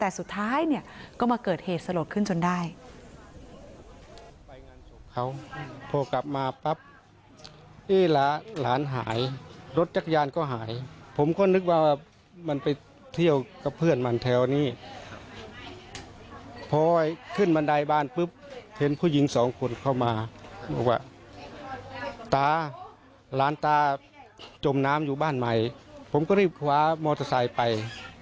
แต่สุดท้ายเนี่ยก็มาเกิดเหตุสลดขึ้นจนได้